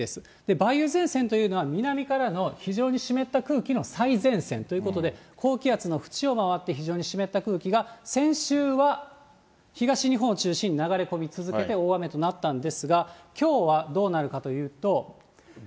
梅雨前線というのは南からの、非常に湿った空気の最前線ということで、高気圧のふちを回って、非常に湿った空気が、先週は、東日本を中心に流れ込み続けて、大雨となったんですが、きょうは、どうなるかというと。